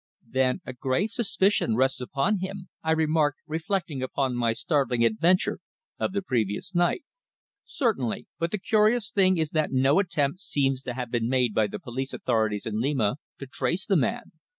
"Then a grave suspicion rests upon him?" I remarked, reflecting upon my startling adventure of the previous night. "Certainly. But the curious thing is that no attempt seems to have been made by the police authorities in Lima to trace the man.